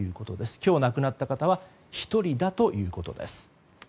今日、亡くなった方は１人だということです。